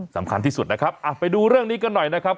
สำคัญที่สุดนะครับไปดูเรื่องนี้กันหน่อยนะครับ